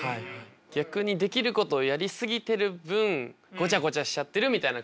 逆にできることをやり過ぎてる分ゴチャゴチャしちゃってるみたいな感じ。